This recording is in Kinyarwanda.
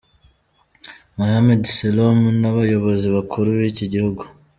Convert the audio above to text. Muhammed Selloum n’abayobozi bakuru b’iki gihugu.